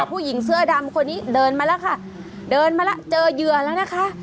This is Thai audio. พวกผู้หญิงเสื้อดำคนนี้เดินมาล่ะค่ะเจอเยือแล้วนะคะ